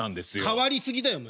変わり過ぎだよお前。